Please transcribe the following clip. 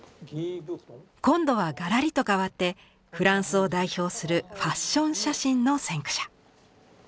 今度はがらりと変わってフランスを代表するファッション写真の先駆者。